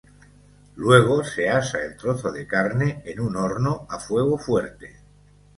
Luego se asa el trozo de carne en un horno a fuego fuerte.